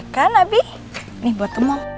karena pasti abi belum pernah ke mall